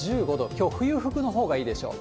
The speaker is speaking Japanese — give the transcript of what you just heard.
きょう、冬服のほうがいいでしょう。